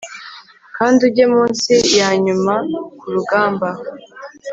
Kandi ujye munsi yanyuma kurugamba